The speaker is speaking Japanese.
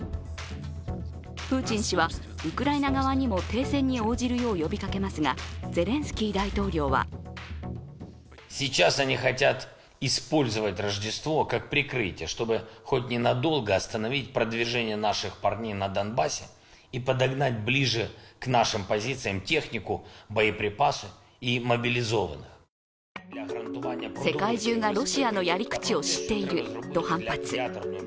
プーチン氏はウクライナ側にも停戦に応じるよう呼びかけますが、ゼレンスキー大統領は世界中がロシアのやり口を知っていると反発。